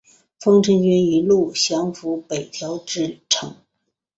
丰臣军一路降伏北条支城。